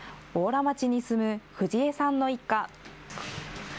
邑楽町に住む藤江さんの一家。